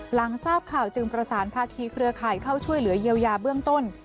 หลังทราบข่าวจึงประสานภาคีเครือข่ายเข้าช่วยเหลือเยียวยาเบื้องต้น